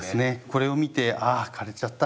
これを見て「あ枯れちゃった。